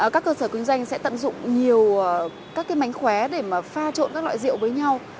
các cơ sở kinh doanh sẽ tận dụng nhiều các cái mánh khóe để mà pha trộn các loại rượu với nhau